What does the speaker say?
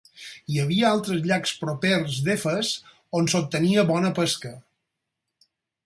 Hi havia altres llacs propers d'Efes on s'obtenia bona pesca.